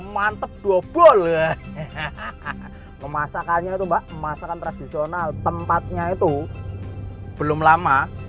mantep dua bowl hehehe memasakannya itu mbak masakan tradisional tempatnya itu belum lama